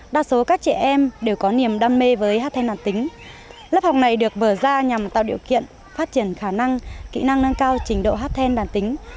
đa số các trẻ em đều có niềm đam mê với hát then đàn tính lớp học này được vở ra nhằm tạo điều kiện phát triển khả năng kỹ năng nâng cao trình độ hát then đàn tính